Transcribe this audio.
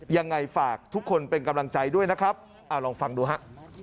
ยังไงฝากทุกคนเป็นกำลังใจด้วยนะครับลองฟังดูฮะ